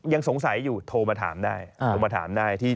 ยังสงสัยอยู่โทรมาถามได้